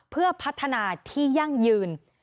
เพื่อพัฒนาที่ยั่งยืน